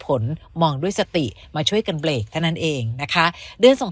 ผลมองด้วยสติมาช่วยกันเบรกเท่านั้นเองนะคะเดือนส่ง